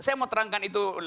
saya mau terangkan itu